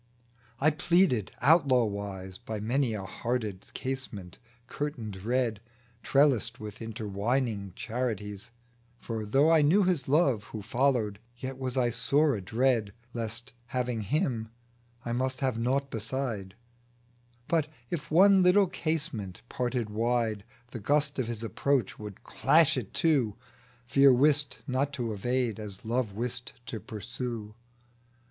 I pleaded outlaw wise, By many a hearted casement, curtained red, Trellised with intertwining charities ; For, though I knew His love Who followed, Yet was I sore adread (Lest, having Him, I must have naught beside) ; But, if one little casement parted wide, The gust of his approach would clash it to. _Fear wist not to evade, as Love wist to pursue.